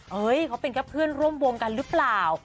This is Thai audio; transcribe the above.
เฮ้ยเขาเป็นแค่เพื่อนร่วมวงกันหรือเปล่า